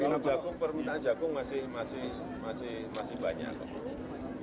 kalau permintaan jagung masih banyak